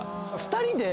２人で。